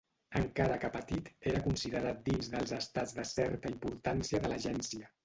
Encara que petit era considerat dins dels estats de certa importància de l'agència.